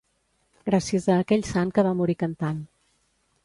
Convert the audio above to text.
Gràcies a aquell sant que va morir cantant.